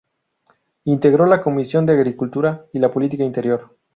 Integró la Comisión de Agricultura y la de Policía Interior.